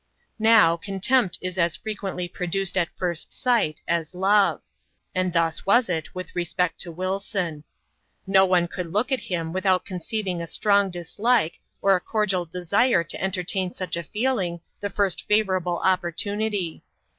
Now, contempt is as frequently produced at first sight as love ; and thus was it with respect to Wilson. No one could look at him without conceiving a strong dislike, or a cordial desire to entertain such a feeling the first favourable opportunity.